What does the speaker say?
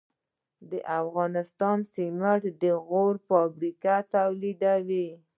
د افغانستان سمنټ د غوري فابریکې تولید دي